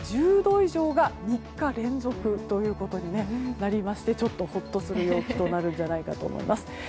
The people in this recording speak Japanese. １０度以上が３日連続ということになりましてちょっと、ほっとする陽気となるんじゃないかと思います。